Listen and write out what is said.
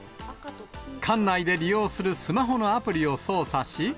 館内で利用するスマホのアプリを操作し。